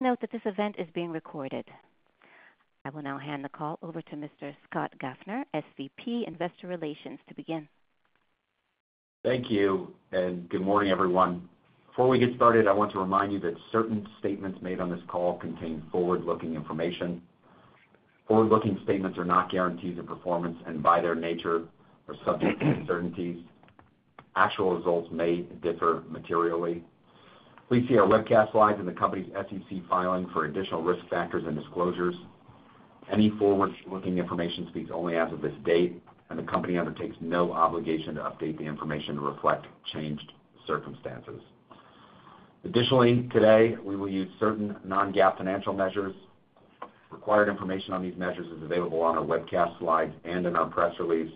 Note that this event is being recorded. I will now hand the call over to Mr. Scott Gaffner, Senior Vice President, Investor Relations, to begin. Thank you, and good morning, everyone. Before we get started, I want to remind you that certain statements made on this call contain forward-looking information. Forward-looking statements are not guarantees of performance, and by their nature, are subject to uncertainties. Actual results may differ materially. Please see our webcast slides and the company's SEC filing for additional risk factors and disclosures. Any forward-looking information speaks only as of this date, and the company undertakes no obligation to update the information to reflect changed circumstances. Additionally, today, we will use certain non-GAAP financial measures. Required information on these measures is available on our webcast slides and in our press release,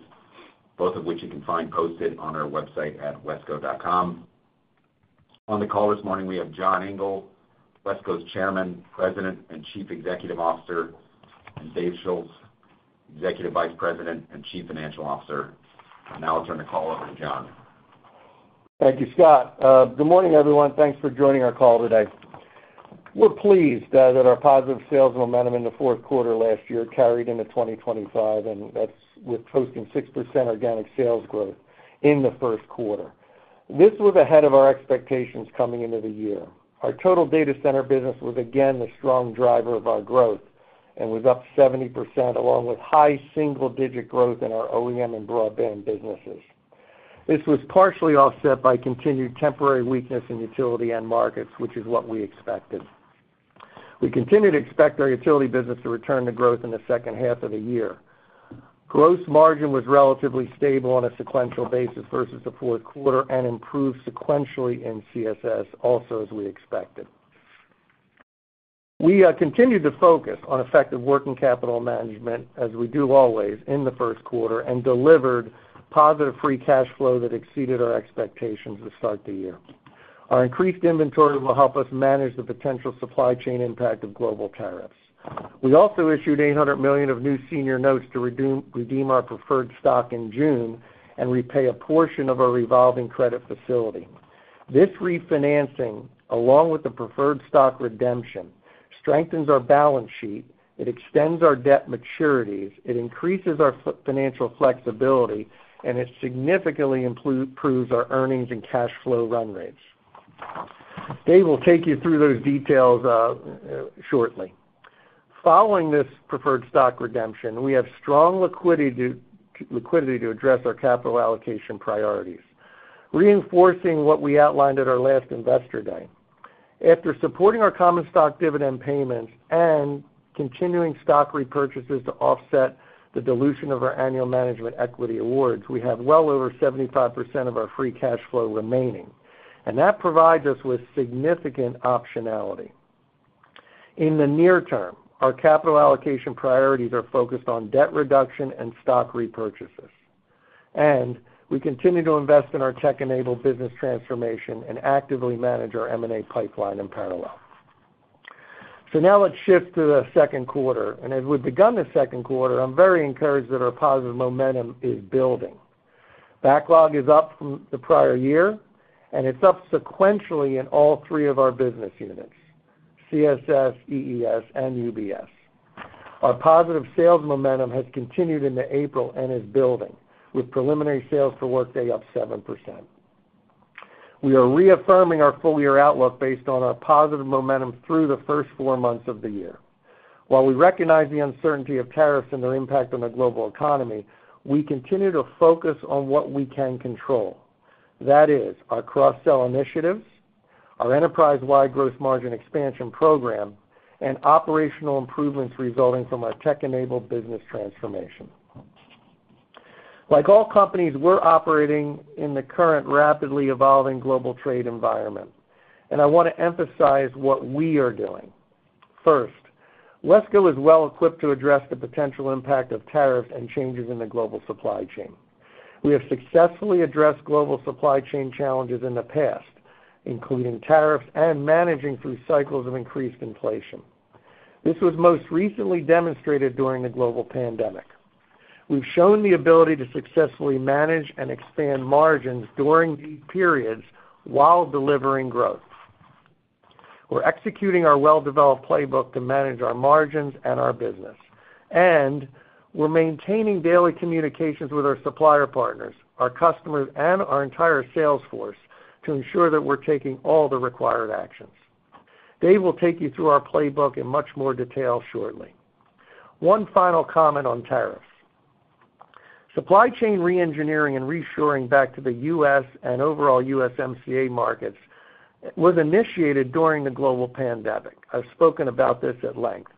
both of which you can find posted on our website at Wesco.com. On the call this morning, we have John Engel, Wesco's Chairman, President, and Chief Executive Officer, and Dave Schulz, Executive Vice President and Chief Financial Officer. I'll turn the call over to John. Thank you, Scott. Good morning, everyone. Thanks for joining our call today. We're pleased that our positive sales momentum in the fourth quarter last year carried into 2025, and that's with posting 6% organic sales growth in the first quarter. This was ahead of our expectations coming into the year. Our total data center business was again the strong driver of our growth and was up 70%, along with high single-digit growth in our OEM and broadband businesses. This was partially offset by continued temporary weakness in utility end markets, which is what we expected. We continued to expect our utility business to return to growth in the second half of the year. Gross margin was relatively stable on a sequential basis versus the fourth quarter and improved sequentially in CSS, also as we expected. We continued to focus on effective working capital management, as we do always in the first quarter, and delivered positive free cash flow that exceeded our expectations to start the year. Our increased inventory will help us manage the potential supply chain impact of global tariffs. We also issued $800 million of new senior notes to redeem our preferred stock in June and repay a portion of our revolving credit facility. This refinancing, along with the preferred stock redemption, strengthens our balance sheet. It extends our debt maturities. It increases our financial flexibility, and it significantly improves our earnings and cash flow run rates. Dave will take you through those details shortly. Following this preferred stock redemption, we have strong liquidity to address our capital allocation priorities, reinforcing what we outlined at our last investor day. After supporting our common stock dividend payments and continuing stock repurchases to offset the dilution of our annual management equity awards, we have well over 75% of our free cash flow remaining, and that provides us with significant optionality. In the near term, our capital allocation priorities are focused on debt reduction and stock repurchases, and we continue to invest in our tech-enabled business transformation and actively manage our M&A pipeline in parallel. Now let's shift to the second quarter, and as we've begun the second quarter, I'm very encouraged that our positive momentum is building. Backlog is up from the prior year, and it's up sequentially in all three of our business units: CSS, EES, and UBS. Our positive sales momentum has continued into April and is building, with preliminary sales per workday up 7%. We are reaffirming our full-year outlook based on our positive momentum through the first four months of the year. While we recognize the uncertainty of tariffs and their impact on the global economy, we continue to focus on what we can control. That is, our cross-sell initiatives, our enterprise-wide gross margin expansion program, and operational improvements resulting from our tech-enabled business transformation. Like all companies, we are operating in the current rapidly evolving global trade environment, and I want to emphasize what we are doing. First, Wesco is well equipped to address the potential impact of tariffs and changes in the global supply chain. We have successfully addressed global supply chain challenges in the past, including tariffs and managing through cycles of increased inflation. This was most recently demonstrated during the global pandemic. We have shown the ability to successfully manage and expand margins during these periods while delivering growth. We're executing our well-developed playbook to manage our margins and our business, and we're maintaining daily communications with our supplier partners, our customers, and our entire salesforce to ensure that we're taking all the required actions. Dave will take you through our playbook in much more detail shortly. One final comment on tariffs. Supply chain re-engineering and reshoring back to the U.S. and overall USMCA markets was initiated during the global pandemic. I've spoken about this at length.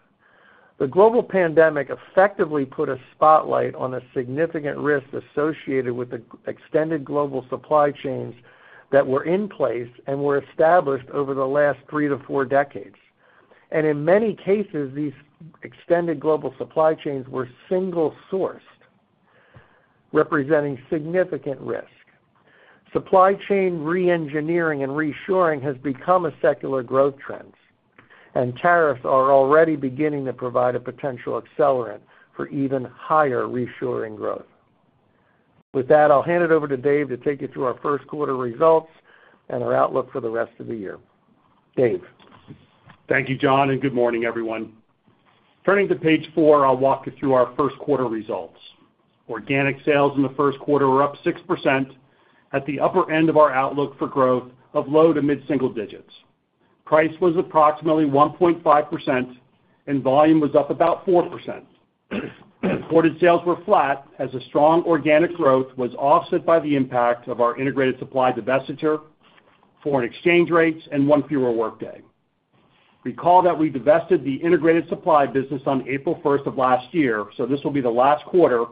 The global pandemic effectively put a spotlight on the significant risks associated with the extended global supply chains that were in place and were established over the last three to four decades. In many cases, these extended global supply chains were single-sourced, representing significant risk. Supply chain re-engineering and reshoring has become a secular growth trend, and tariffs are already beginning to provide a potential accelerant for even higher reshoring growth. With that, I'll hand it over to Dave to take you through our first quarter results and our outlook for the rest of the year. Dave. Thank you, John, and good morning, everyone. Turning to page four, I'll walk you through our first quarter results. Organic sales in the first quarter were up 6% at the upper end of our outlook for growth of low to mid-single digits. Price was approximately 1.5%, and volume was up about 4%. Reported sales were flat as strong organic growth was offset by the impact of our integrated supply divestiture, foreign exchange rates, and one fewer workday. Recall that we divested the integrated supply business on April 1 of last year, so this will be the last quarter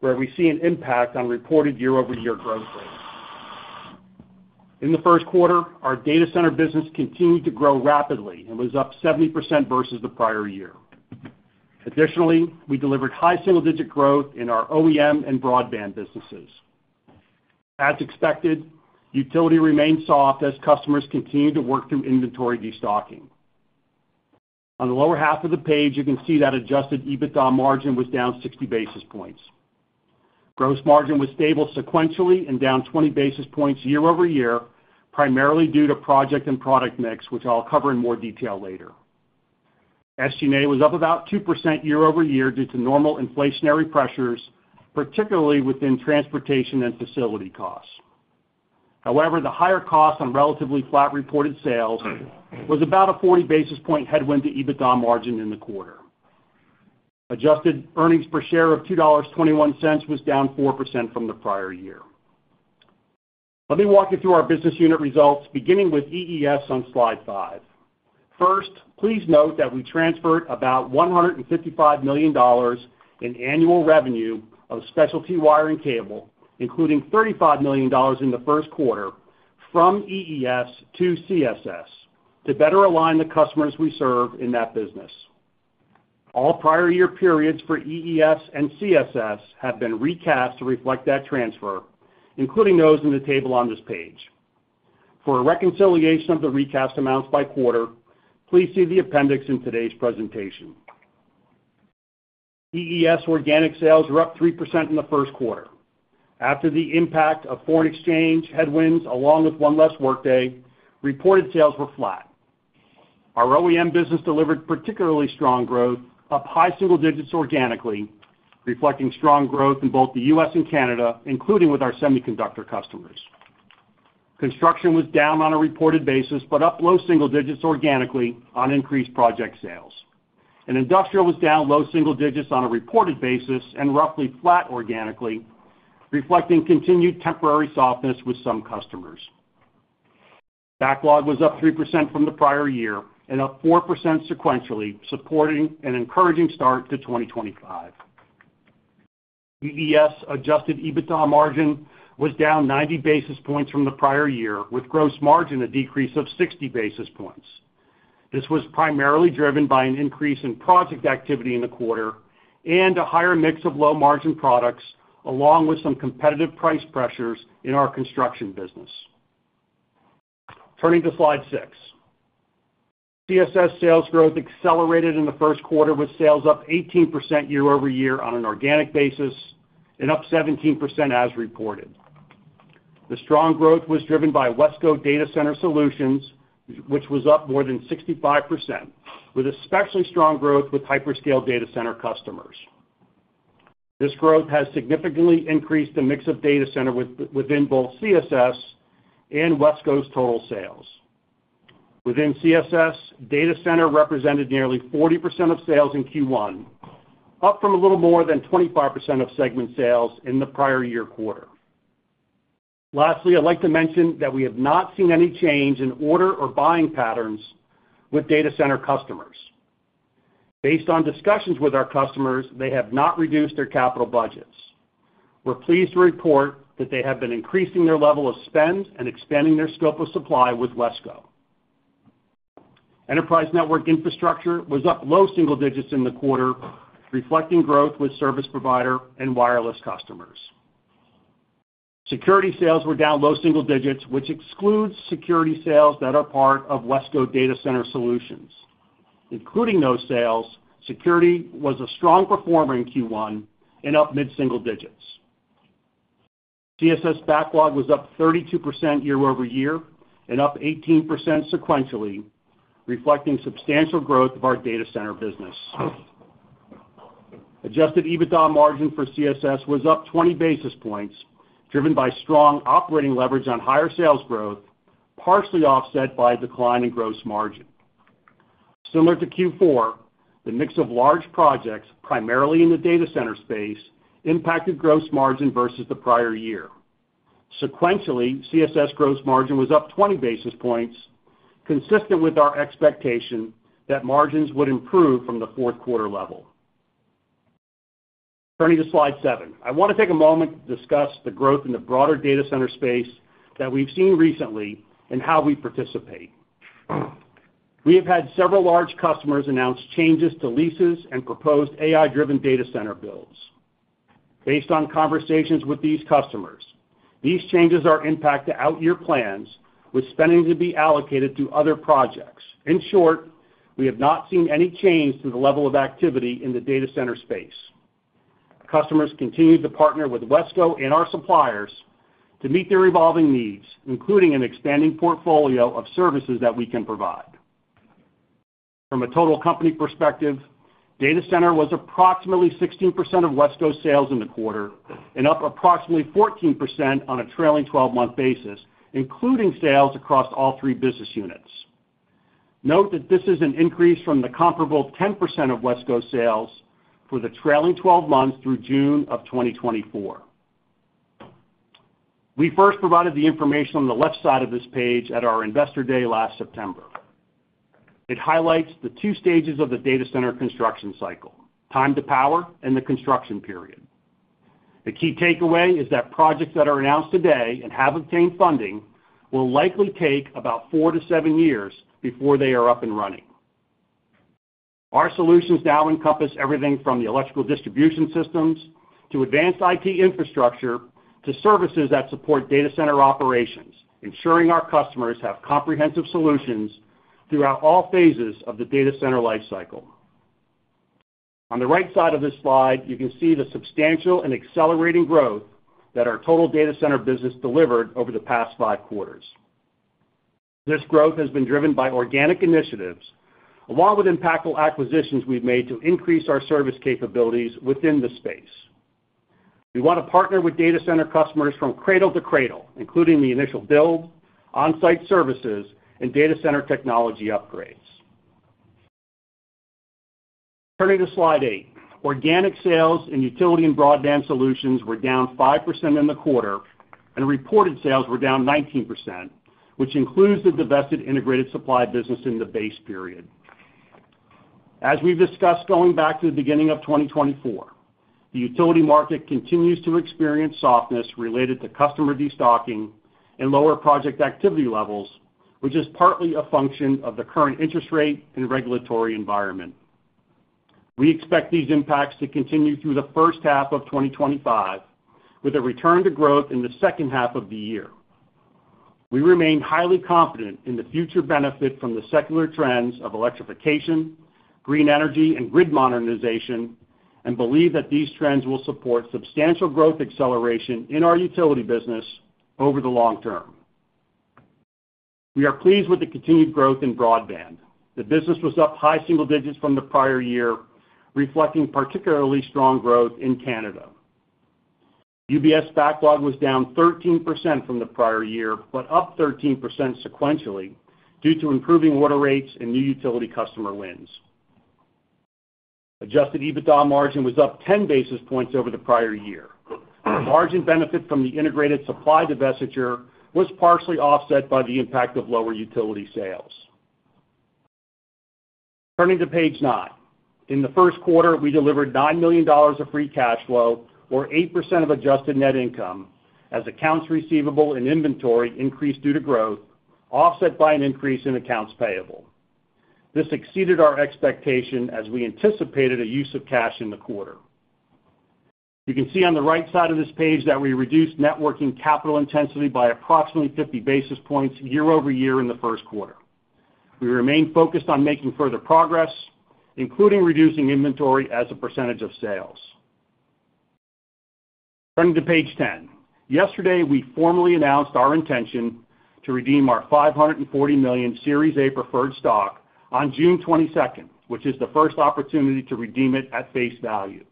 where we see an impact on reported year-over-year growth rates. In the first quarter, our data center business continued to grow rapidly and was up 70% versus the prior year. Additionally, we delivered high single-digit growth in our OEM and broadband businesses. As expected, utility remained soft as customers continued to work through inventory destocking. On the lower half of the page, you can see that adjusted EBITDA margin was down 60 basis points. Gross margin was stable sequentially and down 20 basis points year-over-year, primarily due to project and product mix, which I'll cover in more detail later. SG&A was up about 2% year-over-year due to normal inflationary pressures, particularly within transportation and facility costs. However, the higher cost on relatively flat reported sales was about a 40-basis-point headwind to EBITDA margin in the quarter. Adjusted earnings per share of $2.21 was down 4% from the prior year. Let me walk you through our business unit results, beginning with EES on slide five. First, please note that we transferred about $155 million in annual revenue of specialty wire and cable, including $35 million in the first quarter, from EES to CSS to better align the customers we serve in that business. All prior-year periods for EES and CSS have been recast to reflect that transfer, including those in the table on this page. For a reconciliation of the recast amounts by quarter, please see the appendix in today's presentation. EES organic sales were up 3% in the first quarter. After the impact of foreign exchange headwinds, along with one less workday, reported sales were flat. Our OEM business delivered particularly strong growth, up high single digits organically, reflecting strong growth in both the U.S. and Canada, including with our semiconductor customers. Construction was down on a reported basis, but up low single digits organically on increased project sales. Industrial was down low single digits on a reported basis and roughly flat organically, reflecting continued temporary softness with some customers. Backlog was up 3% from the prior year and up 4% sequentially, supporting an encouraging start to 2025. EES adjusted EBITDA margin was down 90 basis points from the prior year, with gross margin a decrease of 60 basis points. This was primarily driven by an increase in project activity in the quarter and a higher mix of low-margin products, along with some competitive price pressures in our construction business. Turning to slide six, CSS sales growth accelerated in the first quarter, with sales up 18% year-over-year on an organic basis and up 17% as reported. The strong growth was driven by Wesco Data Center Solutions, which was up more than 65%, with especially strong growth with hyperscale data center customers. This growth has significantly increased the mix of data center within both CSS and Wesco's total sales. Within CSS, data center represented nearly 40% of sales in Q1, up from a little more than 25% of segment sales in the prior year quarter. Lastly, I'd like to mention that we have not seen any change in order or buying patterns with data center customers. Based on discussions with our customers, they have not reduced their capital budgets. We're pleased to report that they have been increasing their level of spend and expanding their scope of supply with Wesco. Enterprise network infrastructure was up low single digits in the quarter, reflecting growth with service provider and wireless customers. Security sales were down low single digits, which excludes security sales that are part of Wesco Data Center Solutions. Including those sales, security was a strong performer in Q1 and up mid-single digits. CSS backlog was up 32% year-over-year and up 18% sequentially, reflecting substantial growth of our data center business. Adjusted EBITDA margin for CSS was up 20 basis points, driven by strong operating leverage on higher sales growth, partially offset by a decline in gross margin. Similar to Q4, the mix of large projects, primarily in the data center space, impacted gross margin versus the prior year. Sequentially, CSS gross margin was up 20 basis points, consistent with our expectation that margins would improve from the fourth quarter level. Turning to slide seven, I want to take a moment to discuss the growth in the broader data center space that we've seen recently and how we participate. We have had several large customers announce changes to leases and proposed AI-driven data center builds. Based on conversations with these customers, these changes are impacting out-year plans, with spending to be allocated to other projects. In short, we have not seen any change to the level of activity in the data center space. Customers continue to partner with Wesco and our suppliers to meet their evolving needs, including an expanding portfolio of services that we can provide. From a total company perspective, data center was approximately 16% of Wesco's sales in the quarter and up approximately 14% on a trailing 12-month basis, including sales across all three business units. Note that this is an increase from the comparable 10% of Wesco's sales for the trailing 12 months through June of 2024. We first provided the information on the left side of this page at our investor day last September. It highlights the two stages of the data center construction cycle: time to power and the construction period. The key takeaway is that projects that are announced today and have obtained funding will likely take about four to seven years before they are up and running. Our solutions now encompass everything from the electrical distribution systems to advanced IT infrastructure to services that support data center operations, ensuring our customers have comprehensive solutions throughout all phases of the data center lifecycle. On the right side of this slide, you can see the substantial and accelerating growth that our total data center business delivered over the past five quarters. This growth has been driven by organic initiatives, along with impactful acquisitions we've made to increase our service capabilities within the space. We want to partner with data center customers from cradle to cradle, including the initial build, on-site services, and data center technology upgrades. Turning to slide eight, organic sales in Utility and Broadband Solutions were down 5% in the quarter, and reported sales were down 19%, which includes the divested integrated supply business in the base period. As we have discussed going back to the beginning of 2024, the utility market continues to experience softness related to customer destocking and lower project activity levels, which is partly a function of the current interest rate and regulatory environment. We expect these impacts to continue through the first half of 2025, with a return to growth in the second half of the year. We remain highly confident in the future benefit from the secular trends of electrification, green energy, and grid modernization, and believe that these trends will support substantial growth acceleration in our utility business over the long term. We are pleased with the continued growth in broadband. The business was up high single digits from the prior year, reflecting particularly strong growth in Canada. UBS backlog was down 13% from the prior year, but up 13% sequentially due to improving order rates and new utility customer wins. Adjusted EBITDA margin was up 10 basis points over the prior year. Margin benefit from the integrated supply divestiture was partially offset by the impact of lower utility sales. Turning to page nine, in the first quarter, we delivered $9 million of free cash flow, or 8% of adjusted net income, as accounts receivable and inventory increased due to growth, offset by an increase in accounts payable. This exceeded our expectation as we anticipated a use of cash in the quarter. You can see on the right side of this page that we reduced networking capital intensity by approximately 50 basis points year-over-year in the first quarter. We remain focused on making further progress, including reducing inventory as a percentage of sales. Turning to page ten, yesterday, we formally announced our intention to redeem our $540 million Series A preferred stock on June 22nd, which is the first opportunity to redeem it at face value.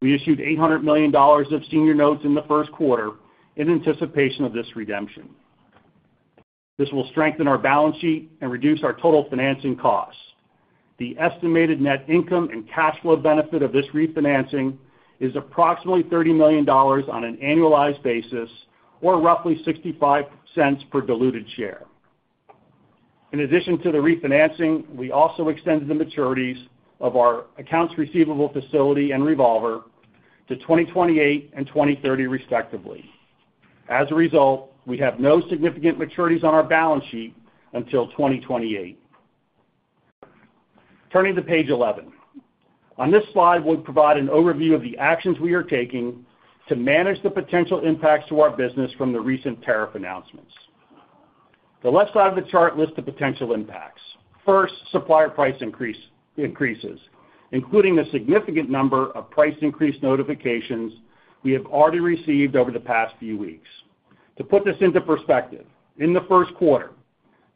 We issued $800 million of senior notes in the first quarter in anticipation of this redemption. This will strengthen our balance sheet and reduce our total financing costs. The estimated net income and cash flow benefit of this refinancing is approximately $30 million on an annualized basis, or roughly $0.65 per diluted share. In addition to the refinancing, we also extended the maturities of our accounts receivable facility and revolver to 2028 and 2030, respectively. As a result, we have no significant maturities on our balance sheet until 2028. Turning to page 11, on this slide, we'll provide an overview of the actions we are taking to manage the potential impacts to our business from the recent tariff announcements. The left side of the chart lists the potential impacts. First, supplier price increases, including the significant number of price increase notifications we have already received over the past few weeks. To put this into perspective, in the first quarter,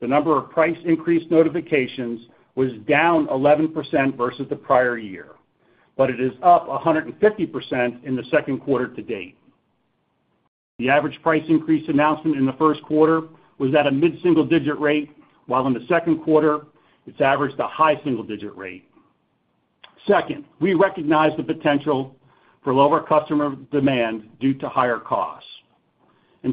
the number of price increase notifications was down 11% versus the prior year, but it is up 150% in the second quarter to date. The average price increase announcement in the first quarter was at a mid-single digit rate, while in the second quarter, it's averaged a high single digit rate. Second, we recognize the potential for lower customer demand due to higher costs.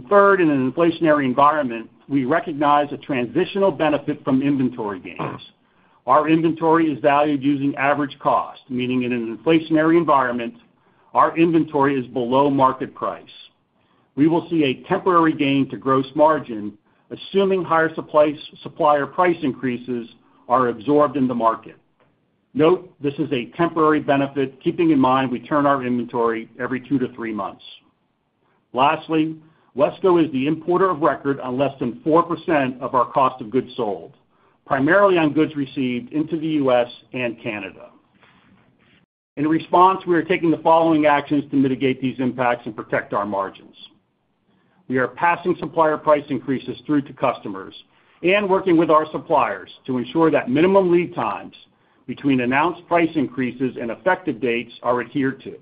Third, in an inflationary environment, we recognize a transitional benefit from inventory gains. Our inventory is valued using average cost, meaning in an inflationary environment, our inventory is below market price. We will see a temporary gain to gross margin, assuming higher supplier price increases are absorbed in the market. Note this is a temporary benefit, keeping in mind we turn our inventory every two to three months. Lastly, Wesco is the importer of record on less than 4% of our cost of goods sold, primarily on goods received into the U.S. and Canada. In response, we are taking the following actions to mitigate these impacts and protect our margins. We are passing supplier price increases through to customers and working with our suppliers to ensure that minimum lead times between announced price increases and effective dates are adhered to.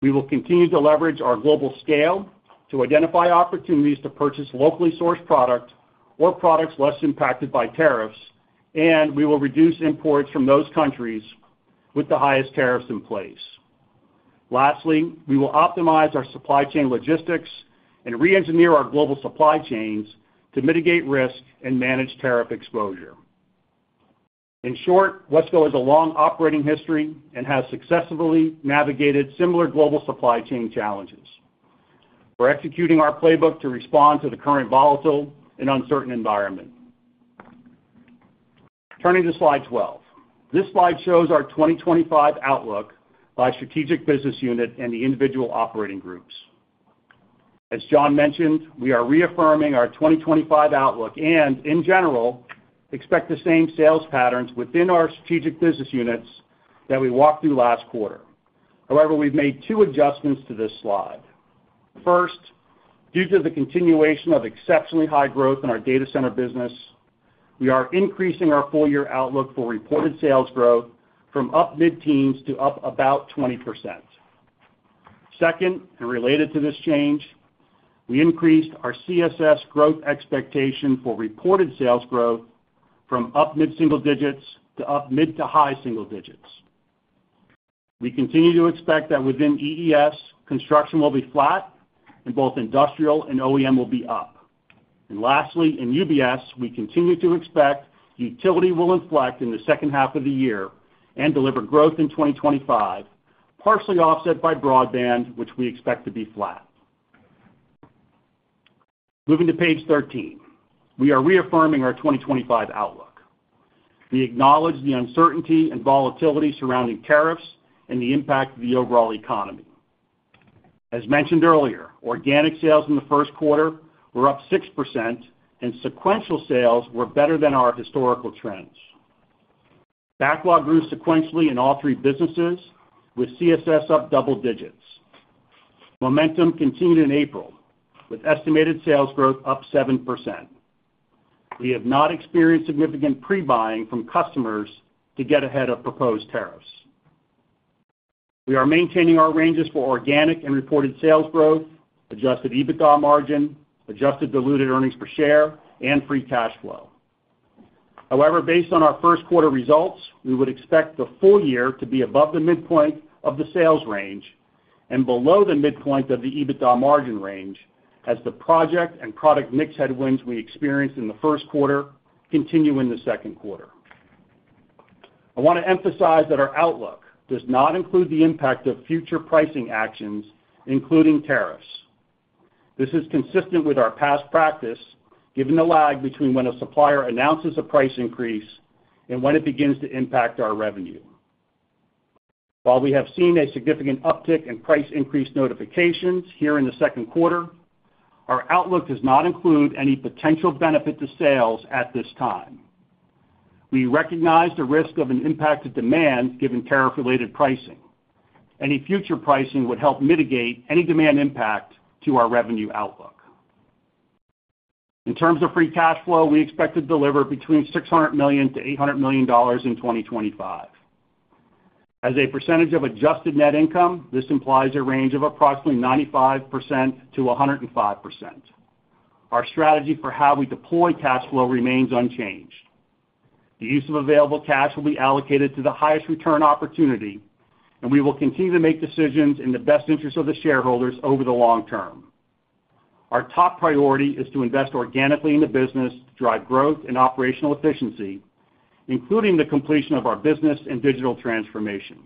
We will continue to leverage our global scale to identify opportunities to purchase locally sourced product or products less impacted by tariffs, and we will reduce imports from those countries with the highest tariffs in place. Lastly, we will optimize our supply chain logistics and re-engineer our global supply chains to mitigate risk and manage tariff exposure. In short, Wesco has a long operating history and has successfully navigated similar global supply chain challenges. We're executing our playbook to respond to the current volatile and uncertain environment. Turning to slide 12, this slide shows our 2025 outlook by strategic business unit and the individual operating groups. As John mentioned, we are reaffirming our 2025 outlook and, in general, expect the same sales patterns within our strategic business units that we walked through last quarter. However, we've made two adjustments to this slide. First, due to the continuation of exceptionally high growth in our data center business, we are increasing our full-year outlook for reported sales growth from up mid-teens to up about 20%. Second, and related to this change, we increased our CSS growth expectation for reported sales growth from up mid-single digits to up mid to high single digits. We continue to expect that within EES, construction will be flat, and both industrial and OEM will be up. Lastly, in UBS, we continue to expect utility will inflect in the second half of the year and deliver growth in 2025, partially offset by broadband, which we expect to be flat. Moving to page 13, we are reaffirming our 2025 outlook. We acknowledge the uncertainty and volatility surrounding tariffs and the impact of the overall economy. As mentioned earlier, organic sales in the first quarter were up 6%, and sequential sales were better than our historical trends. Backlog grew sequentially in all three businesses, with CSS up double digits. Momentum continued in April, with estimated sales growth up 7%. We have not experienced significant pre-buying from customers to get ahead of proposed tariffs. We are maintaining our ranges for organic and reported sales growth, adjusted EBITDA margin, adjusted diluted earnings per share, and free cash flow. However, based on our first quarter results, we would expect the full year to be above the midpoint of the sales range and below the midpoint of the EBITDA margin range as the project and product mix headwinds we experienced in the first quarter continue in the second quarter. I want to emphasize that our outlook does not include the impact of future pricing actions, including tariffs. This is consistent with our past practice, given the lag between when a supplier announces a price increase and when it begins to impact our revenue. While we have seen a significant uptick in price increase notifications here in the second quarter, our outlook does not include any potential benefit to sales at this time. We recognize the risk of an impact to demand given tariff-related pricing. Any future pricing would help mitigate any demand impact to our revenue outlook. In terms of free cash flow, we expect to deliver between $600 million and $800 million in 2025. As a percentage of adjusted net income, this implies a range of approximately 95% to 105%. Our strategy for how we deploy cash flow remains unchanged. The use of available cash will be allocated to the highest return opportunity, and we will continue to make decisions in the best interest of the shareholders over the long term. Our top priority is to invest organically in the business to drive growth and operational efficiency, including the completion of our business and digital transformation.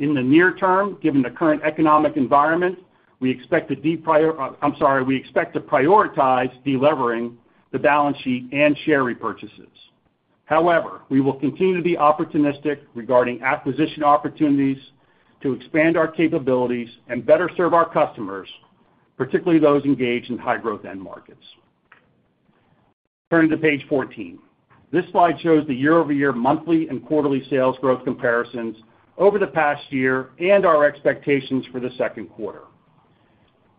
In the near term, given the current economic environment, we expect to prioritize delivering the balance sheet and share repurchases. However, we will continue to be opportunistic regarding acquisition opportunities to expand our capabilities and better serve our customers, particularly those engaged in high-growth end markets. Turning to page 14, this slide shows the year-over-year monthly and quarterly sales growth comparisons over the past year and our expectations for the second quarter.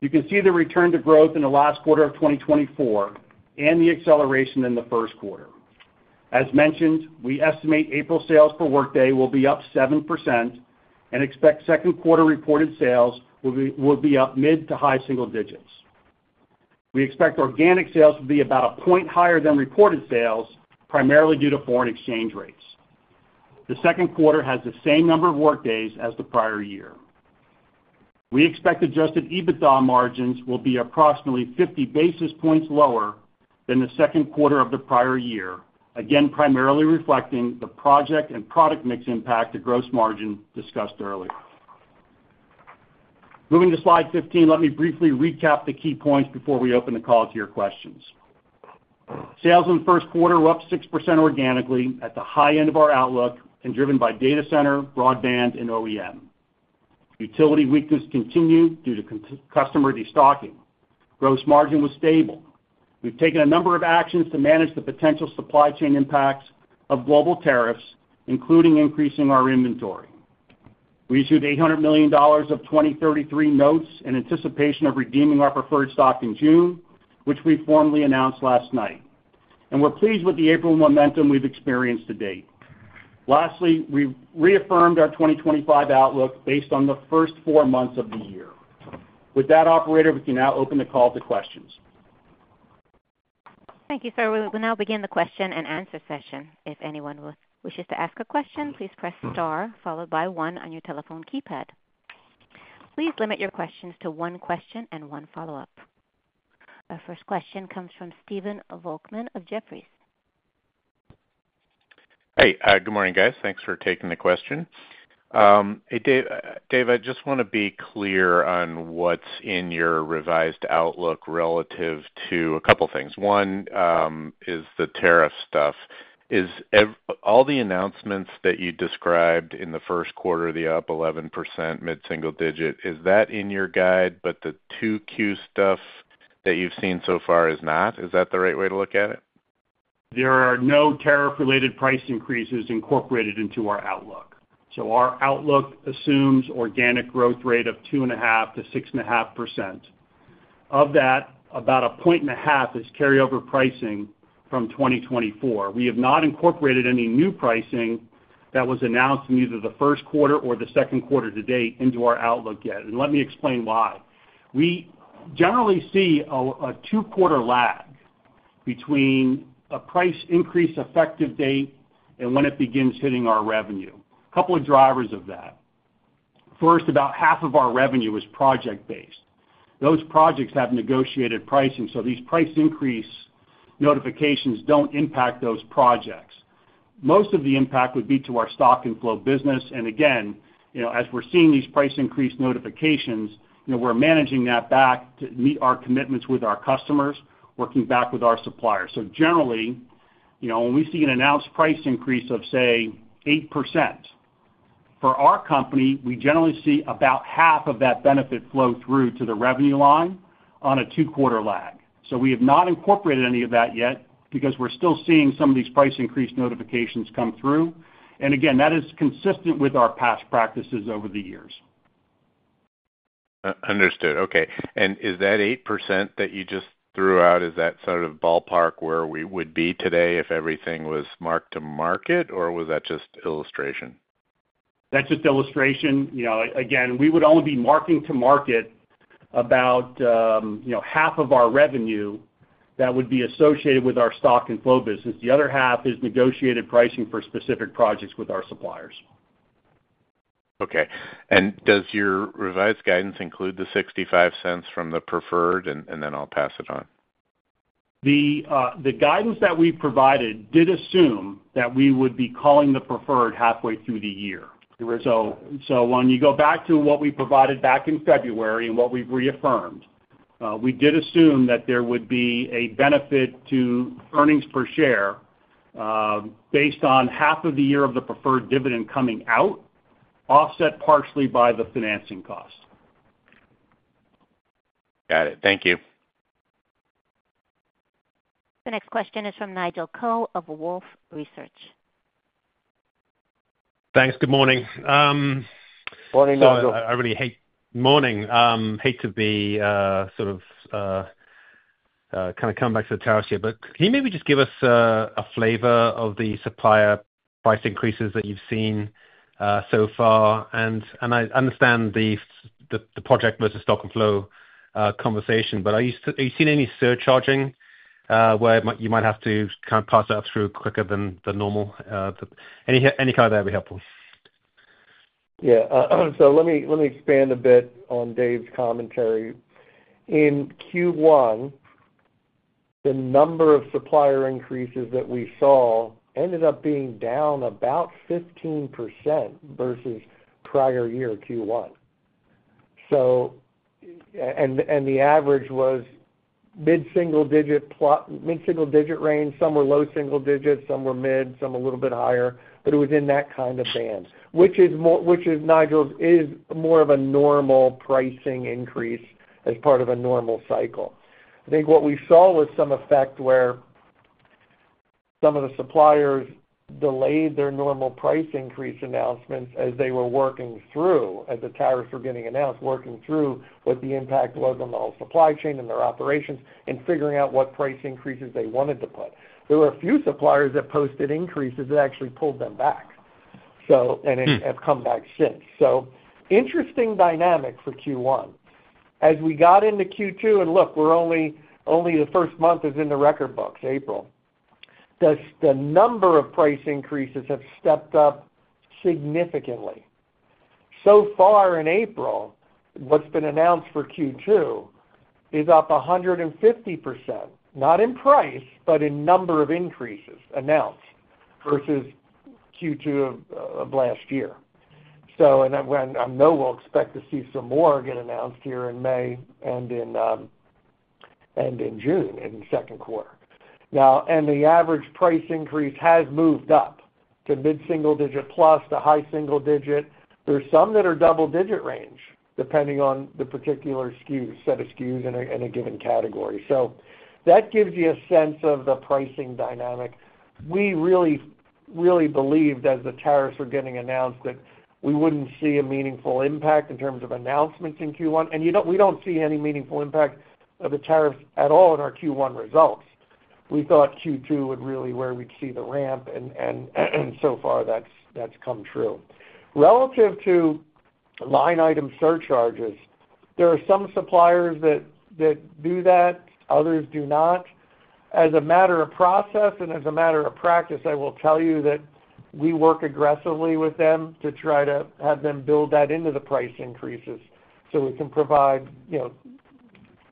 You can see the return to growth in the last quarter of 2024 and the acceleration in the first quarter. As mentioned, we estimate April sales per workday will be up 7% and expect second quarter reported sales will be up mid to high single digits. We expect organic sales to be about a point higher than reported sales, primarily due to foreign exchange rates. The second quarter has the same number of workdays as the prior year. We expect adjusted EBITDA margins will be approximately 50 basis points lower than the second quarter of the prior year, again, primarily reflecting the project and product mix impact to gross margin discussed earlier. Moving to slide 15, let me briefly recap the key points before we open the call to your questions. Sales in the first quarter were up 6% organically at the high end of our outlook and driven by data center, broadband, and OEM. Utility weakness continued due to customer destocking. Gross margin was stable. We have taken a number of actions to manage the potential supply chain impacts of global tariffs, including increasing our inventory. We issued $800 million of 2033 notes in anticipation of redeeming our preferred stock in June, which we formally announced last night. We are pleased with the April momentum we have experienced to date. Lastly, we reaffirmed our 2025 outlook based on the first four months of the year. With that operator, we can now open the call to questions. Thank you, sir. We will now begin the question and answer session. If anyone wishes to ask a question, please press star followed by one on your telephone keypad. Please limit your questions to one question and one follow-up. Our first question comes from Stephen Volkmann of Jefferies. Hey, good morning, guys. Thanks for taking the question. Dave, I just want to be clear on what's in your revised outlook relative to a couple of things. One is the tariff stuff. Is all the announcements that you described in the first quarter, the up 11% mid-single digit, is that in your guide, but the two Q stuff that you've seen so far is not? Is that the right way to look at it? There are no tariff-related price increases incorporated into our outlook. Our outlook assumes organic growth rate of 2.5%-6.5%. Of that, about 1.5% is carryover pricing from 2024. We have not incorporated any new pricing that was announced in either the first quarter or the second quarter to date into our outlook yet. Let me explain why. We generally see a two-quarter lag between a price increase effective date and when it begins hitting our revenue. A couple of drivers of that. First, about half of our revenue is project-based. Those projects have negotiated pricing, so these price increase notifications do not impact those projects. Most of the impact would be to our stock and flow business. As we're seeing these price increase notifications, we're managing that back to meet our commitments with our customers, working back with our suppliers. Generally, when we see an announced price increase of, say, 8%, for our company, we generally see about half of that benefit flow through to the revenue line on a two-quarter lag. We have not incorporated any of that yet because we're still seeing some of these price increase notifications come through. That is consistent with our past practices over the years. Understood. Okay. Is that 8% that you just threw out, is that sort of ballpark where we would be today if everything was marked to market, or was that just illustration? That's just illustration. Again, we would only be marking to market about half of our revenue that would be associated with our stock and flow business. The other half is negotiated pricing for specific projects with our suppliers. Okay. Does your revised guidance include the $0.65 from the preferred, and then I'll pass it on? The guidance that we provided did assume that we would be calling the preferred halfway through the year. When you go back to what we provided back in February and what we've reaffirmed, we did assume that there would be a benefit to earnings per share based on half of the year of the preferred dividend coming out, offset partially by the financing cost. Got it. Thank you. The next question is from Nigel Coe of Wolfe Research. Thanks. Good morning. Morning, Nigel. Morning. Hate to be sort of kind of come back to the tariffs here, but can you maybe just give us a flavor of the supplier price increases that you've seen so far? I understand the project versus stock and flow conversation, but are you seeing any surcharging where you might have to kind of pass that through quicker than the normal? Any kind of that would be helpful. Yeah. Let me expand a bit on Dave's commentary. In Q1, the number of supplier increases that we saw ended up being down about 15% versus prior year Q1. The average was mid-single digit range. Some were low single digits, some were mid, some were a little bit higher, but it was in that kind of band, which is Nigel's is more of a normal pricing increase as part of a normal cycle. I think what we saw was some effect where some of the suppliers delayed their normal price increase announcements as they were working through, as the tariffs were getting announced, working through what the impact was on the whole supply chain and their operations and figuring out what price increases they wanted to put. There were a few suppliers that posted increases that actually pulled them back and have come back since. Interesting dynamic for Q1. As we got into Q2, and look, only the first month is in the record books, April, the number of price increases have stepped up significantly. So far in April, what has been announced for Q2 is up 150%, not in price, but in number of increases announced versus Q2 of last year. I know we will expect to see some more get announced here in May and in June in the second quarter. The average price increase has moved up to mid-single-digit plus to high single-digit. There are some that are double-digit range depending on the particular set of SKUs in a given category. That gives you a sense of the pricing dynamic. We really believed as the tariffs were getting announced that we would not see a meaningful impact in terms of announcements in Q1. We do not see any meaningful impact of the tariffs at all in our Q1 results. We thought Q2 would really be where we would see the ramp, and so far that has come true. Relative to line item surcharges, there are some suppliers that do that; others do not. As a matter of process and as a matter of practice, I will tell you that we work aggressively with them to try to have them build that into the price increases so we can provide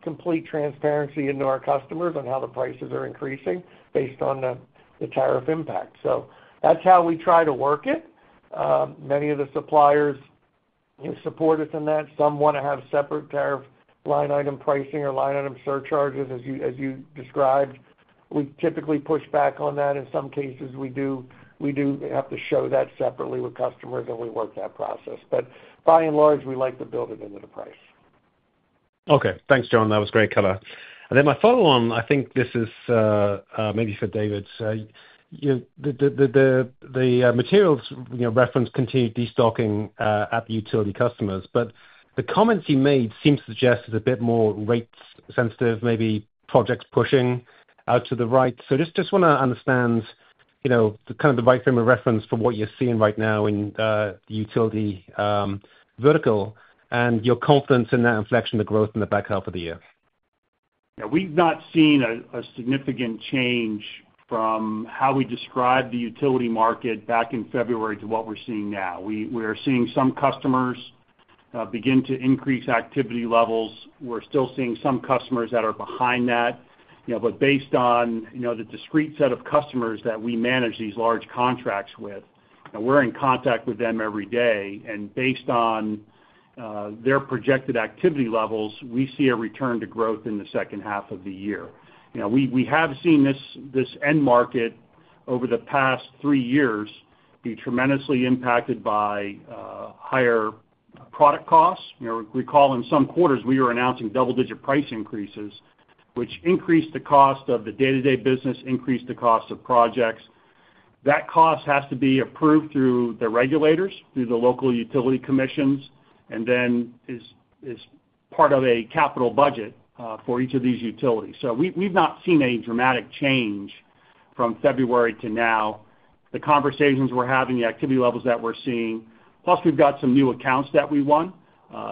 complete transparency to our customers on how the prices are increasing based on the tariff impact. That is how we try to work it. Many of the suppliers support us in that. Some want to have separate line item pricing or line item surcharges, as you described. We typically push back on that. In some cases, we do have to show that separately with customers, and we work that process. By and large, we like to build it into the price. Okay. Thanks, John. That was great color. My follow-on, I think this is maybe for David. The materials reference continued destocking at the utility customers, but the comments you made seem to suggest it's a bit more rate-sensitive, maybe projects pushing out to the right. I just want to understand kind of the right frame of reference for what you're seeing right now in the utility vertical and your confidence in that inflection of growth in the back half of the year. Yeah. We've not seen a significant change from how we described the utility market back in February to what we're seeing now. We are seeing some customers begin to increase activity levels. We're still seeing some customers that are behind that. Based on the discreet set of customers that we manage these large contracts with, we're in contact with them every day. Based on their projected activity levels, we see a return to growth in the second half of the year. We have seen this end market over the past three years be tremendously impacted by higher product costs. Recall in some quarters, we were announcing double-digit price increases, which increased the cost of the day-to-day business, increased the cost of projects. That cost has to be approved through the regulators, through the local utility commissions, and then is part of a capital budget for each of these utilities. We've not seen a dramatic change from February to now. The conversations we're having, the activity levels that we're seeing, plus we've got some new accounts that we won,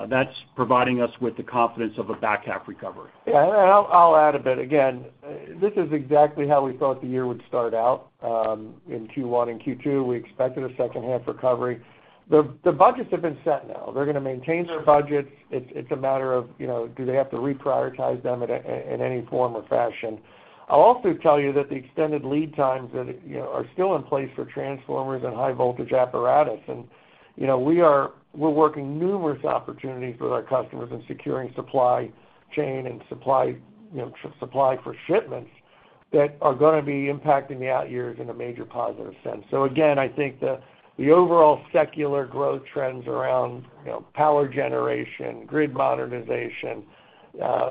that's providing us with the confidence of a back half recovery. Yeah. I'll add a bit. Again, this is exactly how we thought the year would start out. In Q1 and Q2, we expected a second half recovery. The budgets have been set now. They're going to maintain their budgets. It's a matter of do they have to reprioritize them in any form or fashion. I'll also tell you that the extended lead times are still in place for transformers and high voltage apparatus. We're working numerous opportunities with our customers in securing supply chain and supply for shipments that are going to be impacting the out years in a major positive sense. I think the overall secular growth trends around power generation, grid modernization,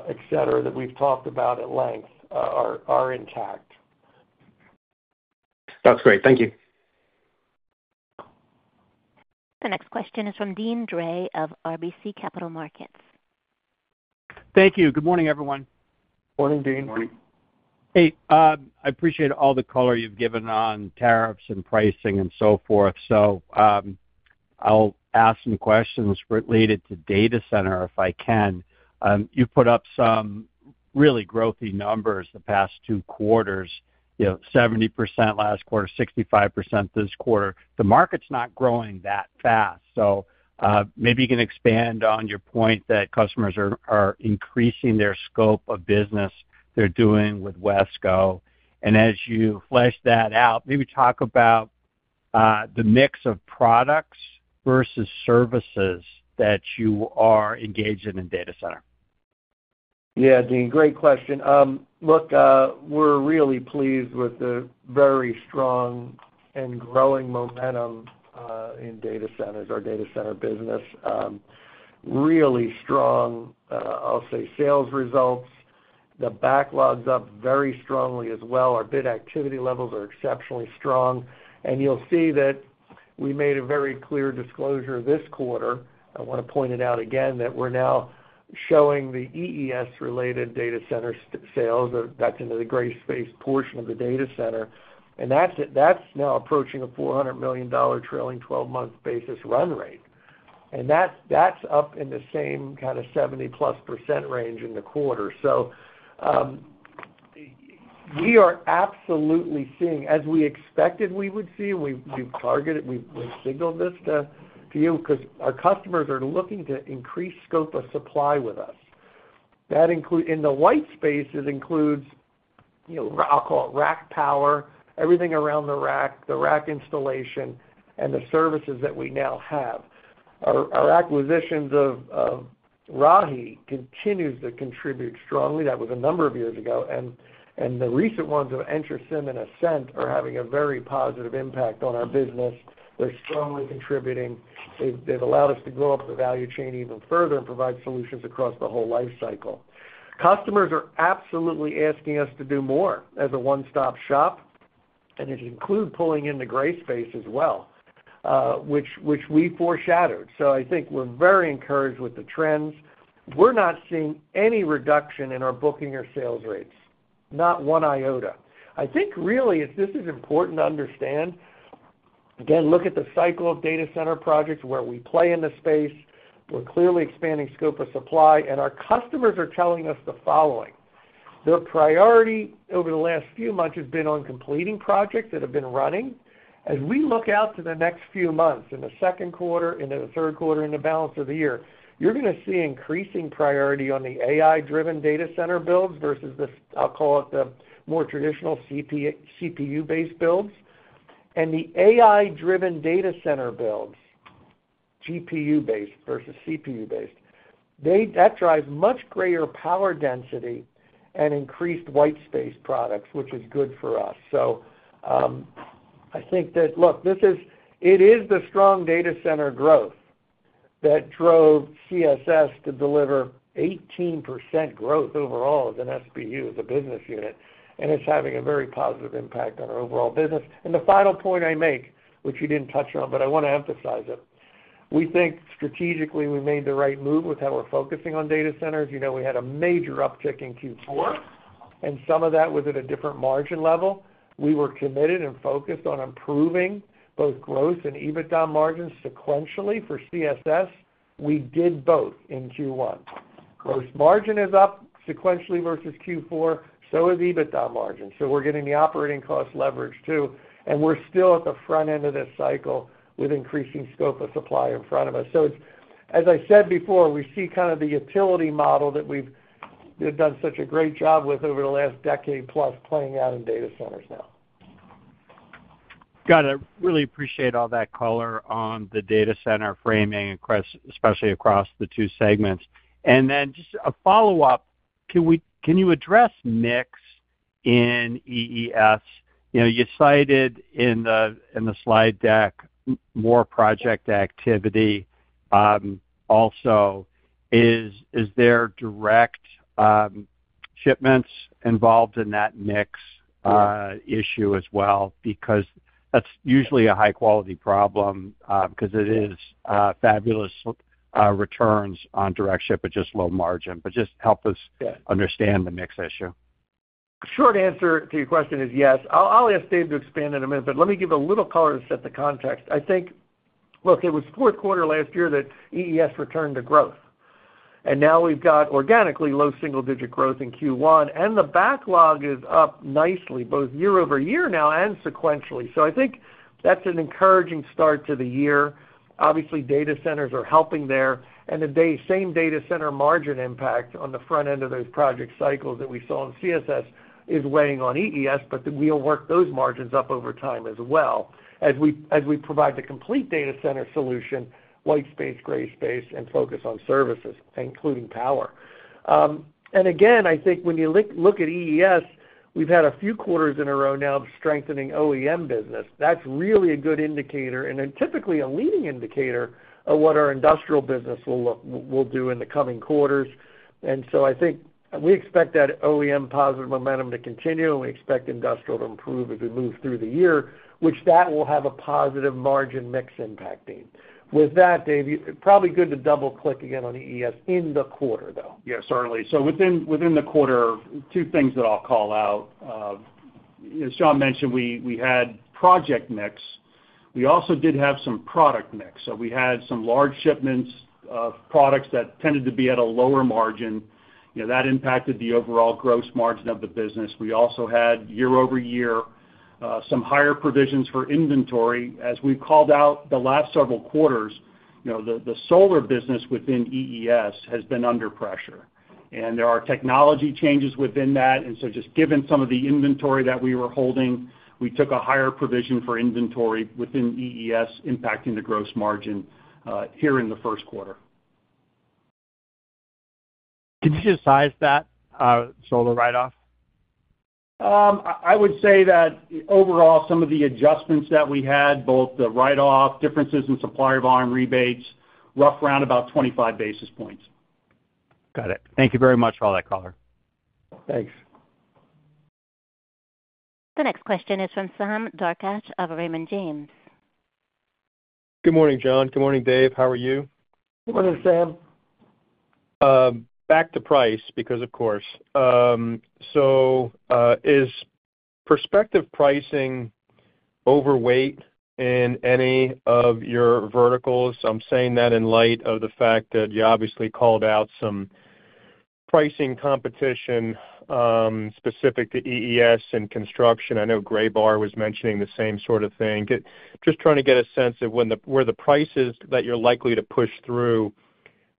etc., that we've talked about at length are intact. That's great. Thank you. The next question is from Deane Dray of RBC Capital Markets. Thank you. Good morning, everyone. Morning, Deane. Morning. Hey. I appreciate all the color you've given on tariffs and pricing and so forth. I'll ask some questions related to data center if I can. You put up some really growthy numbers the past two quarters: 70% last quarter, 65% this quarter. The market's not growing that fast. Maybe you can expand on your point that customers are increasing their scope of business they're doing with Wesco. As you flesh that out, maybe talk about the mix of products versus services that you are engaged in in data center. Yeah, Dean, great question. Look, we're really pleased with the very strong and growing momentum in data centers, our data center business. Really strong, I'll say, sales results. The backlog's up very strongly as well. Our bid activity levels are exceptionally strong. You'll see that we made a very clear disclosure this quarter. I want to point it out again that we're now showing the EES-related data center sales. That's into the gray space portion of the data center. That's now approaching a $400 million trailing 12-month basis run rate. That's up in the same kind of 70+% range in the quarter. We are absolutely seeing, as we expected we would see, we've targeted, we've signaled this to you because our customers are looking to increase scope of supply with us. In the white space, it includes, I'll call it rack power, everything around the rack, the rack installation, and the services that we now have. Our acquisitions of Rahi continue to contribute strongly. That was a number of years ago. The recent ones of entroCIM and Ascent are having a very positive impact on our business. They're strongly contributing. They've allowed us to grow up the value chain even further and provide solutions across the whole life cycle. Customers are absolutely asking us to do more as a one-stop shop, and it includes pulling into gray space as well, which we foreshadowed. I think we're very encouraged with the trends. We're not seeing any reduction in our booking or sales rates, not one iota. I think really this is important to understand. Again, look at the cycle of data center projects where we play in the space. We're clearly expanding scope of supply. And our customers are telling us the following. Their priority over the last few months has been on completing projects that have been running. As we look out to the next few months, in the second quarter, into the third quarter, into the balance of the year, you're going to see increasing priority on the AI-driven data center builds versus the, I'll call it the more traditional CPU-based builds. The AI-driven data center builds, GPU-based versus CPU-based, that drives much greater power density and increased white space products, which is good for us. I think that, look, it is the strong data center growth that drove CSS to deliver 18% growth overall as an SBU, as a business unit. It is having a very positive impact on our overall business. The final point I make, which you didn't touch on, but I want to emphasize it. We think strategically we made the right move with how we're focusing on data centers. We had a major uptick in Q4, and some of that was at a different margin level. We were committed and focused on improving both gross and EBITDA margins sequentially for CSS. We did both in Q1. Gross margin is up sequentially versus Q4, so is EBITDA margin. We are getting the operating cost leverage too. We are still at the front end of this cycle with increasing scope of supply in front of us. As I said before, we see kind of the utility model that we have done such a great job with over the last decade plus playing out in data centers now. Got it. Really appreciate all that color on the data center framing, especially across the two segments. Just a follow-up. Can you address mix in EES? You cited in the slide deck more project activity also. Is there direct shipments involved in that mix issue as well? Because that's usually a high-quality problem because it is fabulous returns on direct ship at just low margin. Just help us understand the mix issue. Short answer to your question is yes. I'll ask Dave to expand in a minute, but let me give a little color to set the context. I think, look, it was fourth quarter last year that EES returned to growth. And now we've got organically low single-digit growth in Q1. And the backlog is up nicely, both year over year now and sequentially. I think that's an encouraging start to the year. Obviously, data centers are helping there. The same data center margin impact on the front end of those project cycles that we saw in CSS is weighing on EES, but we'll work those margins up over time as well as we provide the complete data center solution, white space, gray space, and focus on services, including power. I think when you look at EES, we've had a few quarters in a row now of strengthening OEM business. That's really a good indicator and typically a leading indicator of what our industrial business will do in the coming quarters. I think we expect that OEM positive momentum to continue, and we expect industrial to improve as we move through the year, which will have a positive margin mix impact. With that, Dave, probably good to double-click again on EES in the quarter though. Yeah, certainly. Within the quarter, two things that I'll call out. As John mentioned, we had project mix. We also did have some product mix. We had some large shipments of products that tended to be at a lower margin. That impacted the overall gross margin of the business. We also had year over year some higher provisions for inventory. As we've called out the last several quarters, the solar business within EES has been under pressure. There are technology changes within that. Just given some of the inventory that we were holding, we took a higher provision for inventory within EES, impacting the gross margin here in the first quarter. Can you just size that solar write-off? I would say that overall, some of the adjustments that we had, both the write-off differences in supplier volume rebates, rough around about 25 basis points. Got it. Thank you very much for all that color. Thanks. The next question is from Sam Darkatsh of Raymond James. Good morning, John. Good morning, Dave. How are you? Good morning, Sam. Back to price because, of course. Is prospective pricing overweight in any of your verticals? I'm saying that in light of the fact that you obviously called out some pricing competition specific to EES and construction. I know Graybar was mentioning the same sort of thing. Just trying to get a sense of where the prices that you're likely to push through,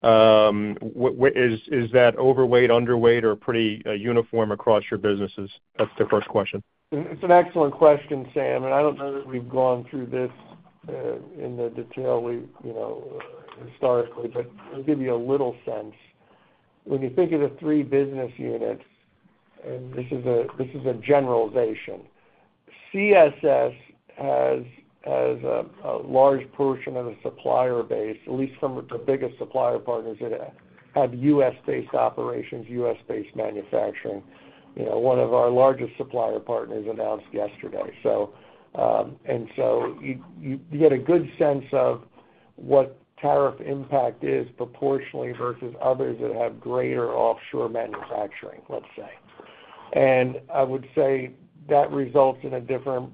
is that overweight, underweight, or pretty uniform across your businesses? That's the first question. It's an excellent question, Sam. I don't know that we've gone through this in the detail historically, but I'll give you a little sense. When you think of the three business units, and this is a generalization, CSS has a large portion of the supplier base, at least from the biggest supplier partners that have US-based operations, US-based manufacturing. One of our largest supplier partners announced yesterday. You get a good sense of what tariff impact is proportionally versus others that have greater offshore manufacturing, let's say. I would say that results in a different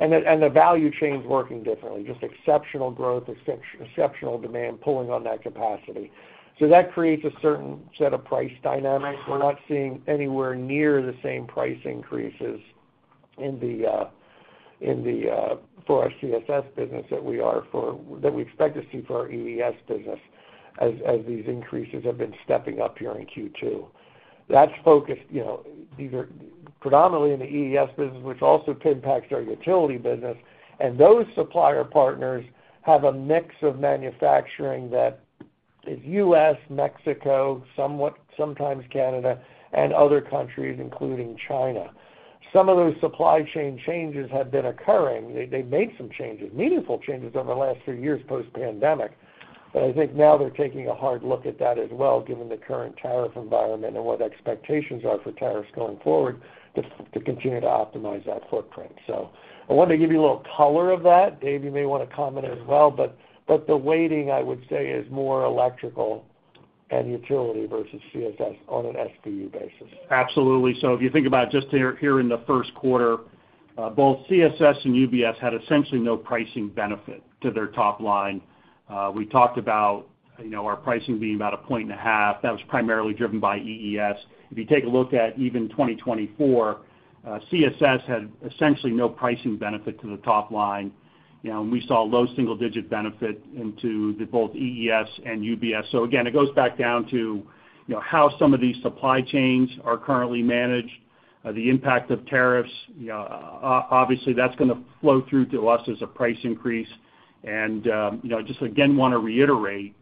and the value chains working differently, just exceptional growth, exceptional demand pulling on that capacity. That creates a certain set of price dynamics. We're not seeing anywhere near the same price increases for our CSS business that we expect to see for our EES business as these increases have been stepping up here in Q2. That is focused predominantly in the EES business, which also impacts our utility business. Those supplier partners have a mix of manufacturing that is U.S., Mexico, sometimes Canada, and other countries, including China. Some of those supply chain changes have been occurring. They made some changes, meaningful changes over the last few years post-pandemic. I think now they're taking a hard look at that as well, given the current tariff environment and what expectations are for tariffs going forward to continue to optimize that footprint. I wanted to give you a little color of that. Dave, you may want to comment as well. The weighting, I would say, is more electrical and utility versus CSS on an SBU basis. Absolutely. If you think about just here in the first quarter, both CSS and UBS had essentially no pricing benefit to their top line. We talked about our pricing being about a point and a half. That was primarily driven by EES. If you take a look at even 2024, CSS had essentially no pricing benefit to the top line. We saw low single-digit benefit into both EES and UBS. It goes back down to how some of these supply chains are currently managed, the impact of tariffs. Obviously, that is going to flow through to us as a price increase. I just want to reiterate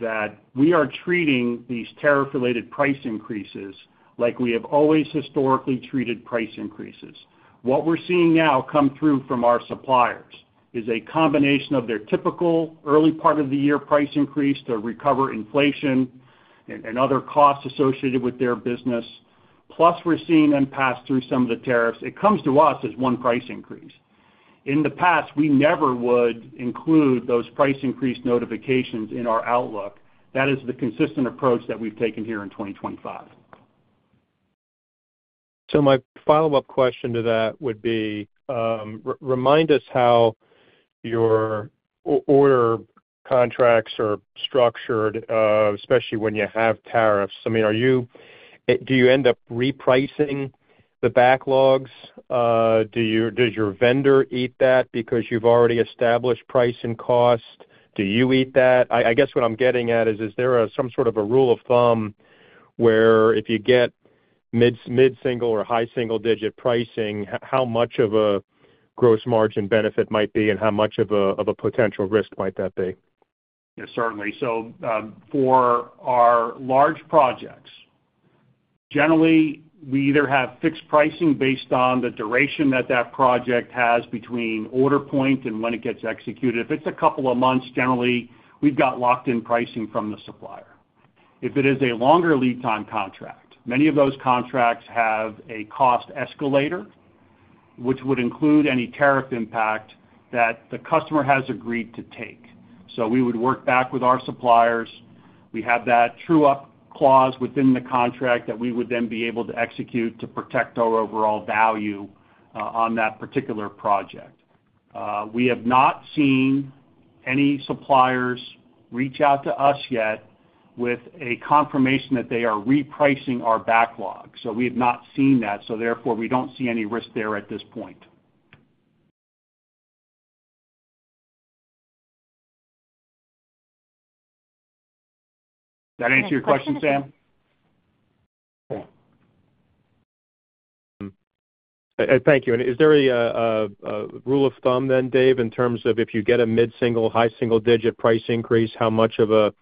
that we are treating these tariff-related price increases like we have always historically treated price increases. What we're seeing now come through from our suppliers is a combination of their typical early part of the year price increase to recover inflation and other costs associated with their business. Plus, we're seeing them pass through some of the tariffs. It comes to us as one price increase. In the past, we never would include those price increase notifications in our outlook. That is the consistent approach that we've taken here in 2025. My follow-up question to that would be, remind us how your order contracts are structured, especially when you have tariffs. I mean, do you end up repricing the backlogs? Does your vendor eat that because you've already established price and cost? Do you eat that? I guess what I'm getting at is, is there some sort of a rule of thumb where if you get mid-single or high single-digit pricing, how much of a gross margin benefit might be and how much of a potential risk might that be? Yeah, certainly. For our large projects, generally, we either have fixed pricing based on the duration that that project has between order point and when it gets executed. If it's a couple of months, generally, we've got locked-in pricing from the supplier. If it is a longer lead-time contract, many of those contracts have a cost escalator, which would include any tariff impact that the customer has agreed to take. We would work back with our suppliers. We have that true-up clause within the contract that we would then be able to execute to protect our overall value on that particular project. We have not seen any suppliers reach out to us yet with a confirmation that they are repricing our backlog. We have not seen that. Therefore, we don't see any risk there at this point. Did that answer your question, Sam? Thank you. Is there a rule of thumb then, Dave, in terms of if you get a mid-single, high single-digit price increase, how much of a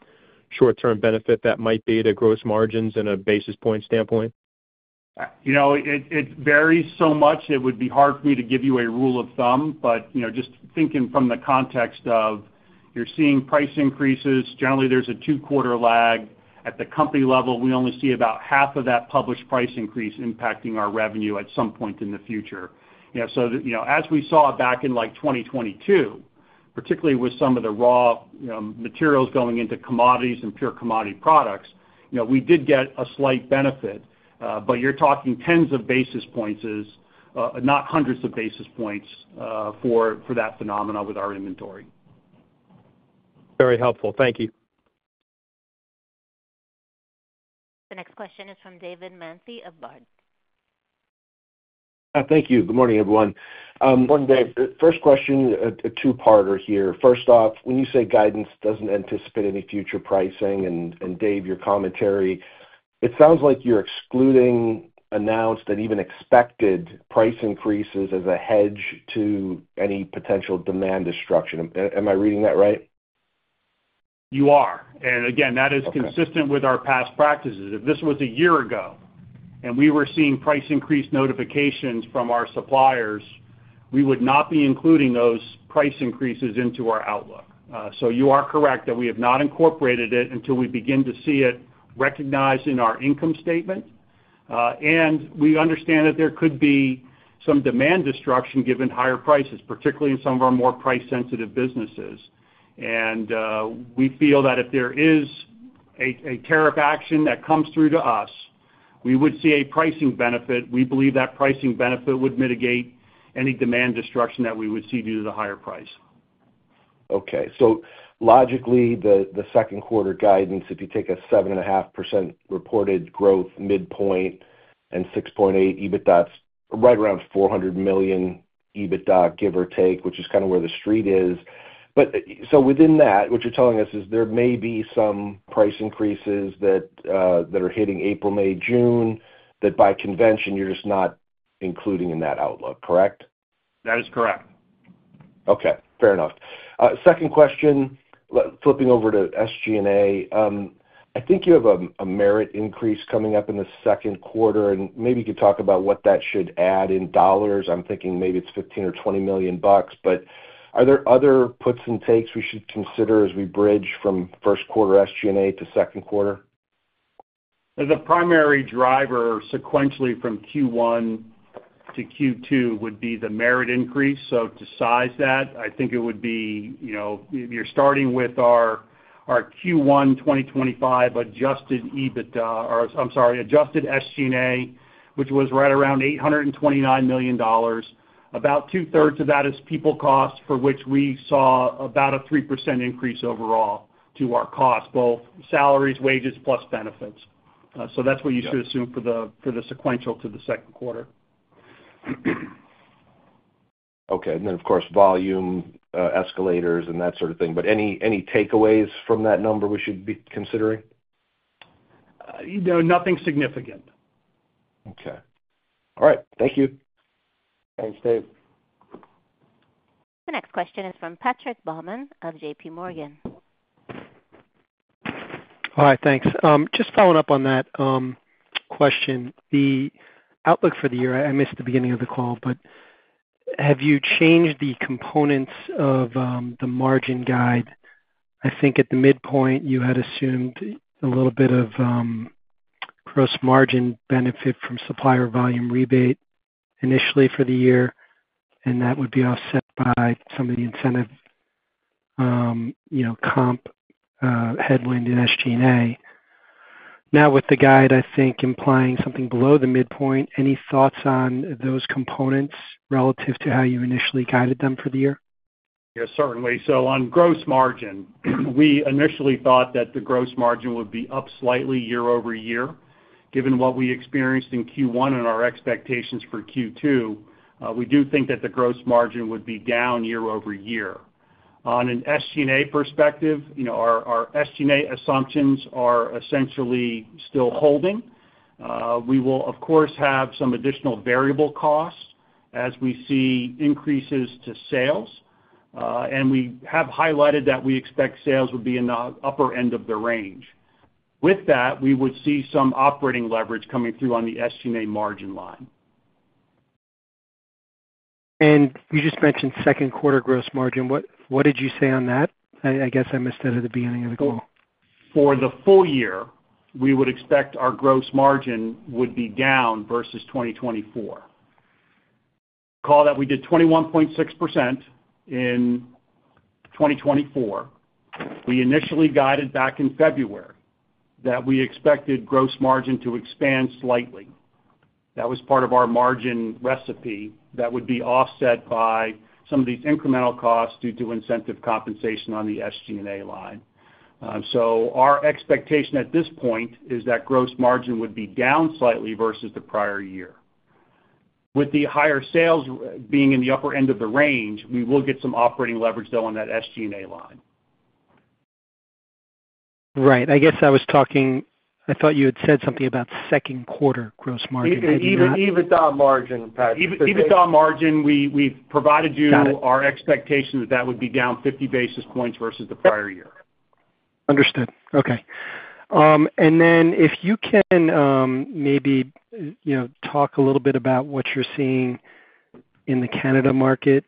short-term benefit that might be to gross margins and a basis point standpoint? It varies so much. It would be hard for me to give you a rule of thumb. Just thinking from the context of you're seeing price increases, generally, there's a two-quarter lag. At the company level, we only see about half of that published price increase impacting our revenue at some point in the future. As we saw back in 2022, particularly with some of the raw materials going into commodities and pure commodity products, we did get a slight benefit. You're talking tens of basis points, not hundreds of basis points for that phenomenon with our inventory. Very helpful. Thank you. The next question is from David Manthey of Baird. Thank you. Good morning, everyone. Morning, Dave. First question, a two-parter here. First off, when you say guidance doesn't anticipate any future pricing, and Dave, your commentary, it sounds like you're excluding announced and even expected price increases as a hedge to any potential demand destruction. Am I reading that right? You are. That is consistent with our past practices. If this was a year ago and we were seeing price increase notifications from our suppliers, we would not be including those price increases into our outlook. You are correct that we have not incorporated it until we begin to see it recognized in our income statement. We understand that there could be some demand destruction given higher prices, particularly in some of our more price-sensitive businesses. We feel that if there is a tariff action that comes through to us, we would see a pricing benefit. We believe that pricing benefit would mitigate any demand destruction that we would see due to the higher price. Okay. Logically, the second quarter guidance, if you take a 7.5% reported growth midpoint and 6.8 EBITDA, right around $400 million EBITDA, give or take, which is kind of where the street is. Within that, what you're telling us is there may be some price increases that are hitting April, May, June that by convention, you're just not including in that outlook, correct? That is correct. Okay. Fair enough. Second question, flipping over to SG&A, I think you have a merit increase coming up in the second quarter. Maybe you could talk about what that should add in dollars. I'm thinking maybe it's $15 million or $20 million. Are there other puts and takes we should consider as we bridge from first quarter SG&A to second quarter? The primary driver sequentially from Q1 to Q2 would be the merit increase. To size that, I think it would be you're starting with our Q1 2025 adjusted SG&A, which was right around $829 million. About two-thirds of that is people cost, for which we saw about a 3% increase overall to our cost, both salaries, wages, plus benefits. That is what you should assume for the sequential to the second quarter. Okay. And then, of course, volume escalators and that sort of thing. Any takeaways from that number we should be considering? No, nothing significant. Okay. All right. Thank you. Thanks, Dave. The next question is from Patrick Baumann of J.P. Morgan. Hi, thanks. Just following up on that question, the outlook for the year, I missed the beginning of the call, but have you changed the components of the margin guide? I think at the midpoint, you had assumed a little bit of gross margin benefit from supplier volume rebate initially for the year. And that would be offset by some of the incentive comp headwind in SG&A. Now, with the guide, I think implying something below the midpoint, any thoughts on those components relative to how you initially guided them for the year? Yeah, certainly. On gross margin, we initially thought that the gross margin would be up slightly year over year. Given what we experienced in Q1 and our expectations for Q2, we do think that the gross margin would be down year over year. On an SG&A perspective, our SG&A assumptions are essentially still holding. We will, of course, have some additional variable costs as we see increases to sales. We have highlighted that we expect sales would be in the upper end of the range. With that, we would see some operating leverage coming through on the SG&A margin line. You just mentioned second quarter gross margin. What did you say on that? I guess I missed that at the beginning of the call. For the full year, we would expect our gross margin would be down versus 2024. Recall that we did 21.6% in 2024. We initially guided back in February that we expected gross margin to expand slightly. That was part of our margin recipe that would be offset by some of these incremental costs due to incentive compensation on the SG&A line. Our expectation at this point is that gross margin would be down slightly versus the prior year. With the higher sales being in the upper end of the range, we will get some operating leverage, though, on that SG&A line. Right. I guess I was talking, I thought you had said something about second quarter gross margin. EBITDA margin, Patrick. EBITDA margin, we've provided you our expectation that that would be down 50 basis points versus the prior year. Understood. Okay. If you can maybe talk a little bit about what you're seeing in the Canada market,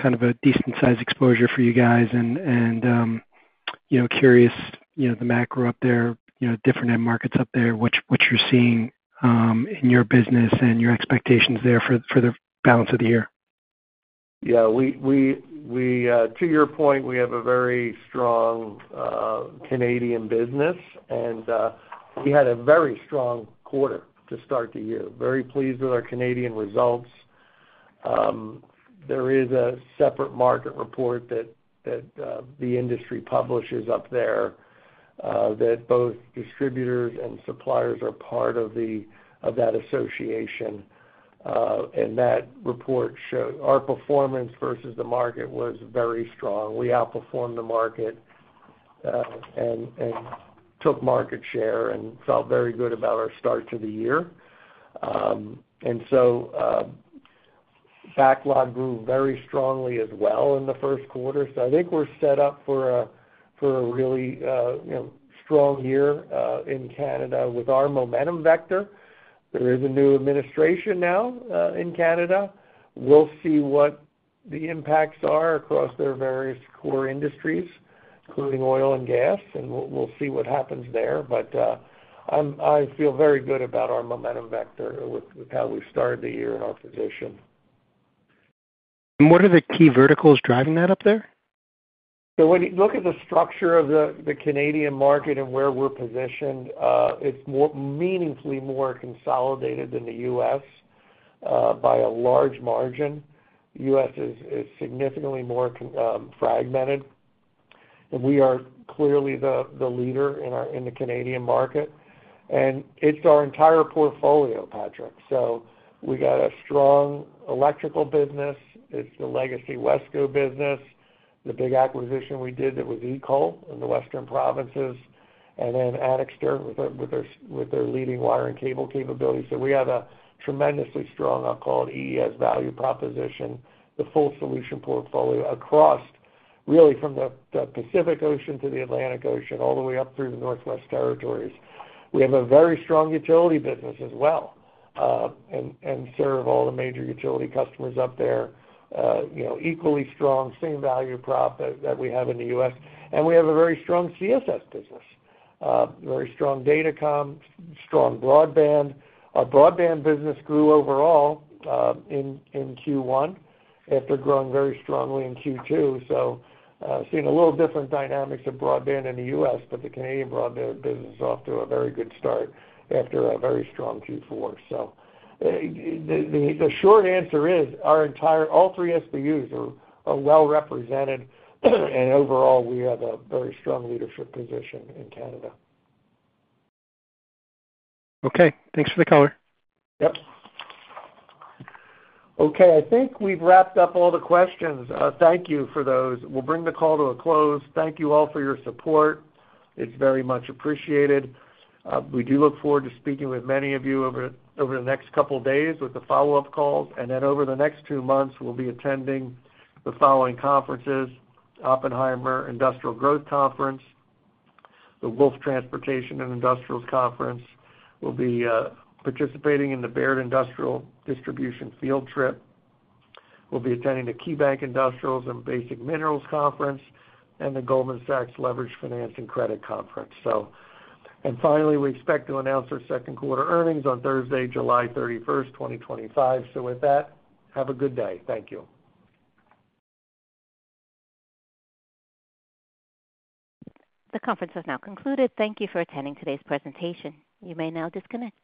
kind of a decent-sized exposure for you guys, and curious the macro up there, different end markets up there, what you're seeing in your business and your expectations there for the balance of the year. Yeah. To your point, we have a very strong Canadian business. We had a very strong quarter to start the year. Very pleased with our Canadian results. There is a separate market report that the industry publishes up there that both distributors and suppliers are part of that association. That report showed our performance versus the market was very strong. We outperformed the market and took market share and felt very good about our start to the year. Backlog grew very strongly as well in the first quarter. I think we're set up for a really strong year in Canada with our momentum vector. There is a new administration now in Canada. We'll see what the impacts are across their various core industries, including oil and gas, and we'll see what happens there. I feel very good about our momentum vector with how we started the year in our position. What are the key verticals driving that up there? When you look at the structure of the Canadian market and where we're positioned, it's meaningfully more consolidated than the U.S. by a large margin. The U.S. is significantly more fragmented. We are clearly the leader in the Canadian market. It's our entire portfolio, Patrick. We have a strong electrical business. It's the legacy Wesco business, the big acquisition we did that was EECOL in the western provinces, and then Anixter with their leading wire and cable capabilities. We have a tremendously strong, I'll call it EES value proposition, the full solution portfolio across really from the Pacific Ocean to the Atlantic Ocean, all the way up through the Northwest Territories. We have a very strong utility business as well and serve all the major utility customers up there. Equally strong, same value prop that we have in the U.S. We have a very strong CSS business, very strong Datacom, strong broadband. Our broadband business grew overall in Q1 after growing very strongly in Q2. Seeing a little different dynamics of broadband in the U.S., but the Canadian broadband business is off to a very good start after a very strong Q4. The short answer is all three SBUs are well represented. Overall, we have a very strong leadership position in Canada. Okay. Thanks for the color. Yep. Okay. I think we've wrapped up all the questions. Thank you for those. We'll bring the call to a close. Thank you all for your support. It's very much appreciated. We do look forward to speaking with many of you over the next couple of days with the follow-up calls. Over the next two months, we'll be attending the following conferences: Oppenheimer Industrial Growth Conference, the Wolfe Transportation and Industrials Conference. We'll be participating in the Baird Industrial Distribution Field Trip. We'll be attending the KeyBanc Industrials and Basic Materials Conference and the Goldman Sachs Leveraged Financing Credit Conference. Finally, we expect to announce our Second Quarter Earnings on Thursday, July 31, 2025. With that, have a good day. Thank you. The conference has now concluded. Thank you for attending today's presentation. You may now disconnect.